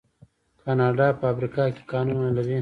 کاناډا په افریقا کې کانونه لري.